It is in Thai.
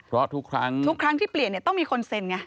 เพราะทุกครั้งที่เปลี่ยนต้องมีคนเซ็นไง